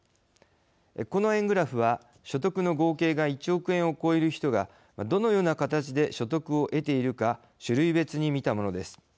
この円グラフは、所得の合計が１億円を超える人がどのような形で所得を得ているか種類別に見たものです。